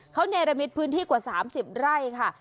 เขาเนรมิตพื้นที่กว่า๓๐ไร่ค่ะ